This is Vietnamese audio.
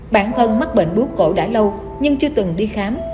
bản thân mắc bệnh bút cổ đã lâu nhưng chưa từng đi khám